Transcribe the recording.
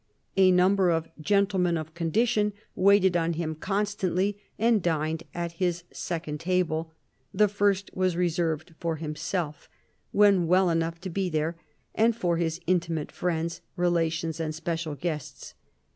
A number of " gentlemen of condition "waited on him constantly and dined at his second table ; the first was reserved for himself — when well enough to be there — and for his intimate friends, relations, and special guests.